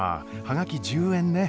はがき１０円ね。